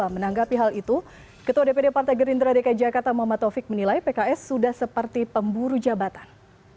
menanggapi hal itu ketua dpd partai gerindra dki jakarta muhammad taufik menilai pks sudah seperti pemburu jabatan